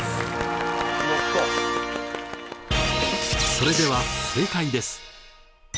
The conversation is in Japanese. それでは正解です。